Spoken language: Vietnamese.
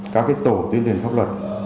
các tổ tuyên truyền pháp luật